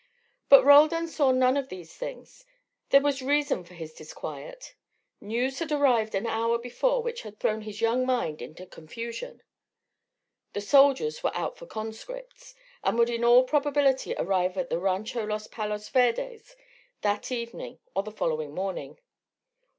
But Roldan saw none of these things. There was reason for his disquiet. News had arrived an hour before which had thrown his young mind into confusion: the soldiers were out for conscripts, and would in all probability arrive at the Rancho Los Palos Verdes that evening or the following morning.